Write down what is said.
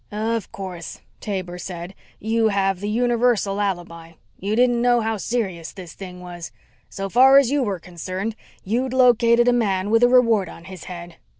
"Of course," Taber said, "you have the universal alibi. You didn't know how serious this thing was. So far as you were concerned, you'd located a man with a reward on his head."